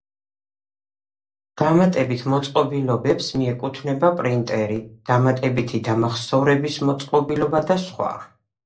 დამატებით მოწყობილობებს მიეკუთვნება პრინტერი, დამატებითი დამახსოვრების მოწყობილობა და სხვა